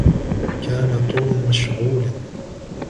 كان توم مشغولا.